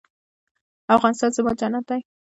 افغانستان زما جنت دی